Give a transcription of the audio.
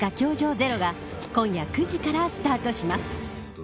０‐が今夜９時からスタートします。